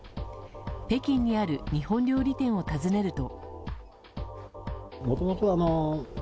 北京にある日本料理店を訪ねると。